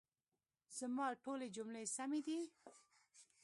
زما ټولي جملې سمي دي؟